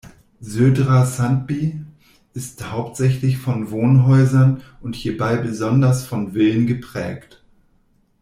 Södra Sandby ist hauptsächlich von Wohnhäusern, und hierbei besonders von Villen geprägt.